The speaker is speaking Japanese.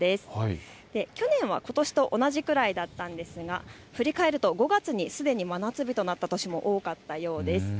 去年はことしと同じくらいだったんですが振り返ると５月にすでに真夏日となった年も多かったようです。